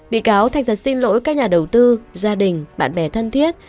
bị cáo thành thật xin lỗi các nhà đầu tư gia đình bạn bè thân thiết